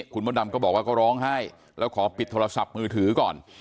คุณมดดำก็บอกว่าก็ร้องไห้แล้วขอปิดโทรศัพท์มือถือก่อน